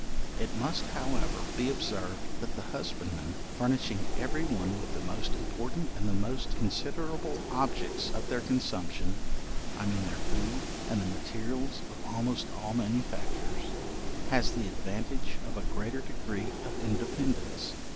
It must, however, be observed that the husbandman, furnishing every one with the most important and the most considerable objects of their consumption (I mean their food, and the materials of almost all manufactures) has the advantage of a greater degree of independence.